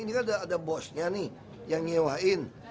ini kan ada bosnya nih yang nyewain